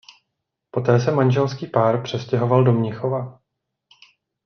Poté se manželský pár přestěhoval do Mnichova.